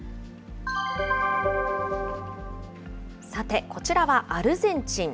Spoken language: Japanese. さてこちらは、アルゼンチン。